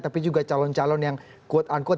tapi juga calon calon yang kuat ankuat